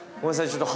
ちょっと。